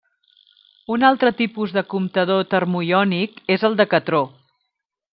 Un altre tipus de comptador termoiònic és el Decatró.